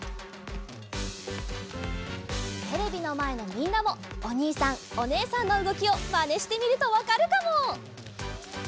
テレビのまえのみんなもおにいさんおねえさんのうごきをまねしてみるとわかるかも！